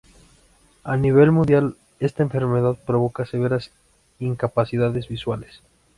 A nivel mundial esta enfermedad provoca severas incapacidades visuales.